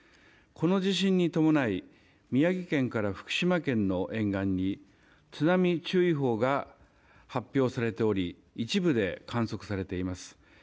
この地震に伴い宮城県から福島県の沿岸に津波注意報が発表されており一部で観測されています。